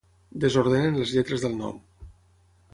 Desordenen les lletres del nom.